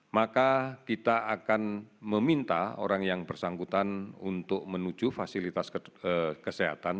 maka kita akan meminta orang yang bersangkutan untuk menuju fasilitas kesehatan